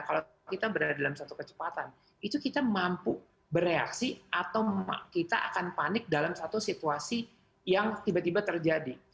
kalau kita berada dalam satu kecepatan itu kita mampu bereaksi atau kita akan panik dalam satu situasi yang tiba tiba terjadi